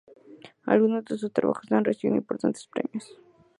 Algunos de sus trabajos han recibido importantes premios.